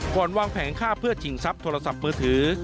วางแผงฆ่าเพื่อชิงทรัพย์โทรศัพท์มือถือ